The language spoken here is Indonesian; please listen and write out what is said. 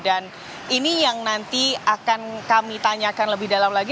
dan ini yang nanti akan kami tanyakan lebih dalam lagi